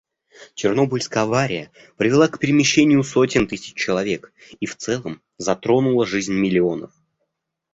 Чернобыльская авария привела к перемещению сотен тысяч человек и в целом затронула жизнь миллионов.